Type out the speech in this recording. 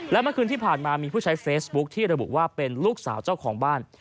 และเมื่อคืนที่ผ่านมามีผู้ใช้เฟซบุ๊คที่ระบุว่าเป็นลูกสาวเจ้าของบ้าน